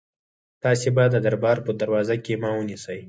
تاسي به د دربار په دروازه کې ما ونیسئ.